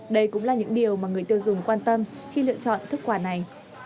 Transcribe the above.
đây cũng là những điều mà người tiêu dùng quan tâm khi lựa chọn thức quà này